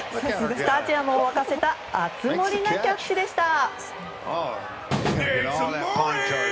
スタジアムを沸かせた熱盛なキャッチでした。